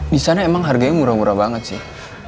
di sana emang harganya murah murah banget sih